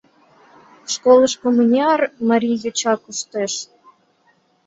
Школышко мыняр марий йоча коштеш?